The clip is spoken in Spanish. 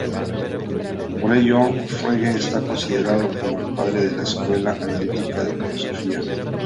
Por ello, Frege está considerado como el padre de la escuela analítica de filosofía.